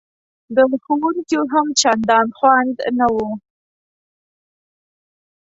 د ښوونکیو هم چندان خوند نه و.